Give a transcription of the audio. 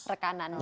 rekanan juga ya